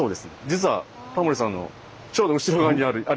実はタモリさんのちょうど後ろ側にあります。